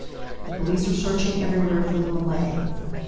The police are searching everywhere for the Malay.